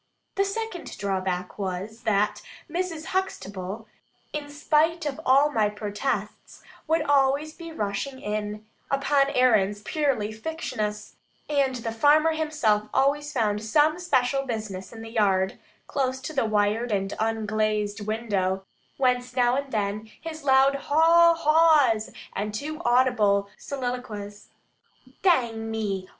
The second drawback was, that Mrs. Huxtable, in spite of all my protests, would be always rushing in, upon errands purely fictitious; and the farmer himself always found some special business in the yard, close to the wired and unglazed window, whence every now and then his loud haw haws, and too audible soliloquies, "Dang me!